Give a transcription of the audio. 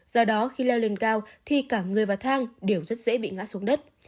do đó khi leo lên cao thì cả người và thang đều rất dễ bị ngã xuống đất